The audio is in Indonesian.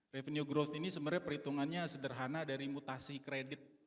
revenue growth ini sebenarnya perhitungannya sederhana dari mutasi kredit